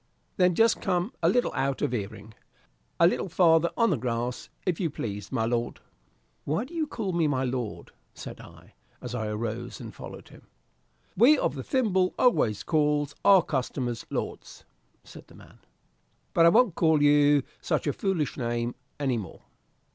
"Then just come a little out of hearing, a little farther on the grass, if you please, my lord." "Why do you call me my lord?" said I, as I arose and followed him. "We of the thimble always calls our customers lords," said the man. "But I won't call you such a foolish name any more.